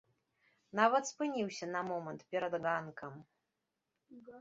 Нават спыніўся на момант перад ганкам.